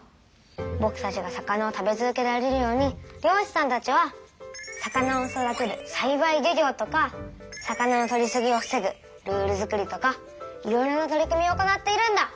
ぼくたちが魚を食べ続けられるように漁しさんたちは「魚を育てる『さいばい漁業』」とか「魚のとりすぎを防ぐルールづくり」とかいろいろな取り組みを行っているんだ！